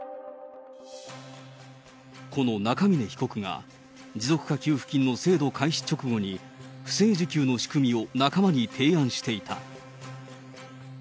この中峯被告が、持続化給付金の制度開始直後に、不正受給の仕組みを仲間に提案していた。